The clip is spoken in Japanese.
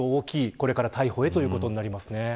これからの逮捕ということになります。